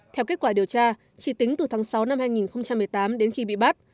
theo kết quả điều tra chỉ tính từ tháng sáu năm hai nghìn một mươi tám đến khi bị bắt